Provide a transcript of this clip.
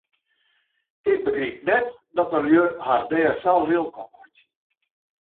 Ik begryp net dat de lju har dêr sa lilk om meitsje.